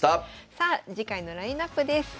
さあ次回のラインナップです。